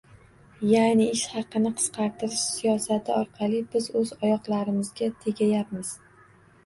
Ya'ni, ish haqini qisqartirish siyosati orqali biz o'z oyoqlarimizga tegayapmiz